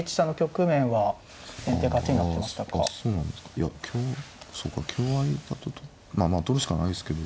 いや香そうか香合いだとまあまあ取るしかないですけど。